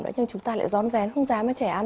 nhưng chúng ta lại giòn rén không dám cho trẻ ăn